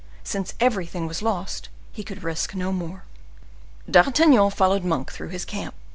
Since everything was lost, he could risk no more. D'Artagnan followed Monk through his camp.